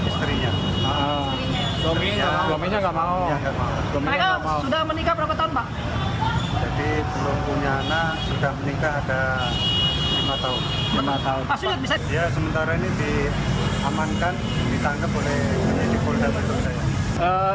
sementara ini diamankan ditangkap oleh penyidik polda metro jaya